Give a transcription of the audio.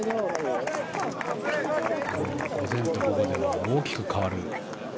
午前と午後で大きく変わる。